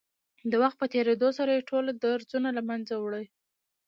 د وخت په تېرېدو سره يې ټول درځونه له منځه وړي.